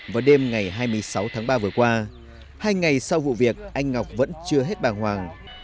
vào đêm ngày hai mươi sáu tháng ba vừa qua hai ngày sau vụ việc anh ngọc vẫn chưa hết bàng hoàng